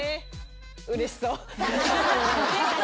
・うれしそう。